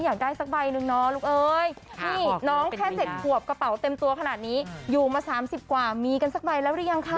อยากได้สักใบหนึ่งเนาะลูกเอ้ยนี่น้องแค่๗ขวบกระเป๋าเต็มตัวขนาดนี้อยู่มา๓๐กว่ามีกันสักใบแล้วหรือยังคะ